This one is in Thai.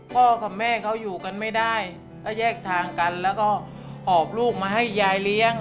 พ่อกับแม่เขาอยู่กันไม่ได้ก็แยกทางกันแล้วก็หอบลูกมาให้ยายเลี้ยง